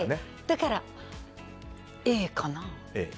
だから、Ａかな。